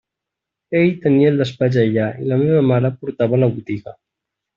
Ell tenia el despatx allà i la meva mare portava la botiga.